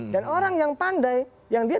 orang yang pandai yang dia